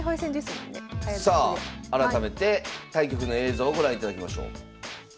さあ改めて対局の映像をご覧いただきましょう。